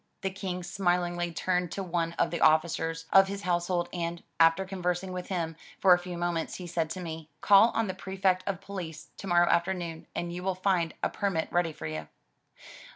The King 172 THE TREASURE CHEST smilingly turned to one of the officers of his household, and, after conversing with him for a few moments, he said to me: "Call on the Prefect of Police tomorrow afternoon, and you will find a permit ready for you."